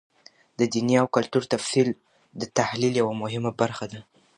د دیني او کلتور تفسیر د تحلیل یوه مهمه برخه ده.